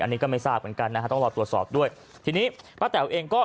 อันนี้ก็ไม่ทราบเหมือนกันนะฮะต้องรอตรวจสอบด้วยทีนี้ป้าแต๋วเองก็